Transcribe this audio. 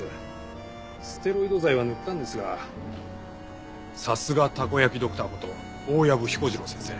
ステロイド剤は塗ったんですがさすがたこ焼きドクターこと大藪彦次郎先生。